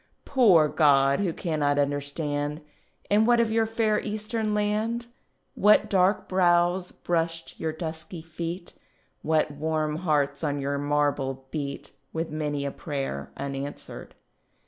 Poor God, who cannot understand, And what of your fair Eastern land, What dark brows brushed your dusky feet, What warm hearts on your marble beat, With many a prayer unanswered?"